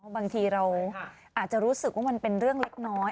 บางทีเราอาจจะรู้สึกว่ามันเป็นเรื่องเล็กน้อย